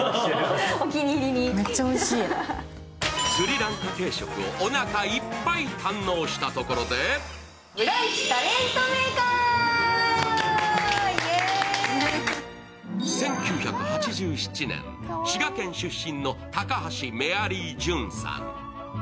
スリランカ定食をおなかいっぱい堪能したところで１９８７年、滋賀県出身の高橋メアリージュンさん。